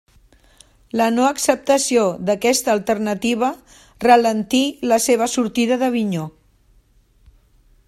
La no acceptació d'aquesta alternativa ralentí la seva sortida d'Avinyó.